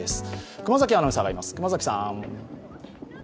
熊崎アナウンサーがいます。